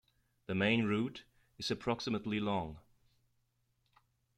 The main route is approximately long.